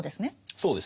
そうですね。